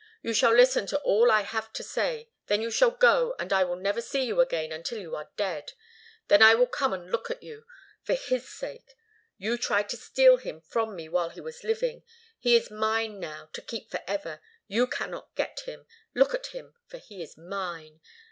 "You shall listen to all I have to say. Then you shall go, and I will never see you again until you are dead. Then I will come and look at you, for his sake. You tried to steal him from me while he was living. He is mine now, to keep forever. You cannot get him. Look at him, for he is mine.